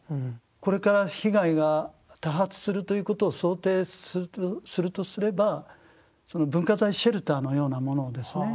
これから被害が多発するということを想定するとすれば文化財シェルターのようなものをですね